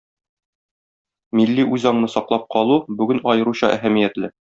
Милли үзаңны саклап калу бүген аеруча әһәмиятле.